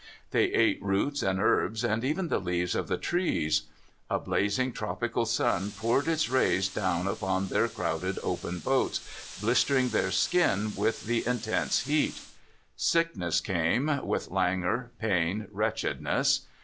They ate roots and herbs, and even the leaves of the trees. A blazing tropical sun poured its rays down upon their crowded open boats, blistering their skin with the intense heat. Sickness came, with languor, pain, wretchedness.